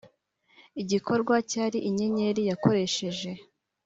igikorwa cyari inyenyeri yakoresheje?